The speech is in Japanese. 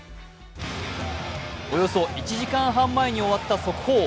およそ１時間半前に終わった速報。